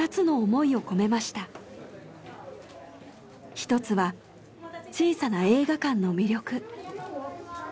１つは小さな映画館の魅力。